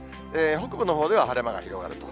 北部のほうでは晴れ間が広がると。